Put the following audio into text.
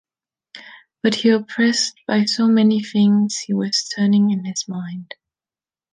But he oppressed by so many things he was turning in his mind.